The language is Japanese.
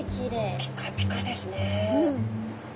ピカピカですね。